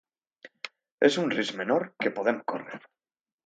És un risc menor que podem córrer.